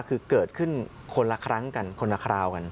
คือเกิดขึ้นคนละครั้งกันคนละคราวกัน